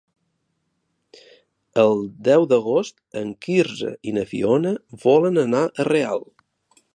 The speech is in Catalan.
El deu d'agost en Quirze i na Fiona volen anar a Real.